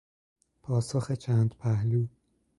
پاسخ چند پهلو